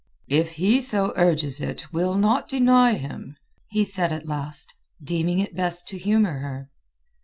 "If he so urges it, we'll not deny him," he said at last, deeming it best to humour her.